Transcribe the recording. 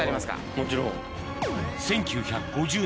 もちろん。